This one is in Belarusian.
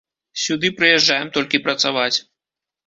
Сюды прыязджаем толькі працаваць.